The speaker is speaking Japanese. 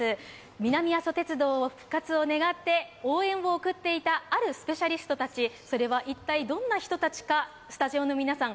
南阿蘇鉄道復活を願って応援を送っていたあるスペシャリストたち、それは一体どんな人たちか、スタジオの皆さん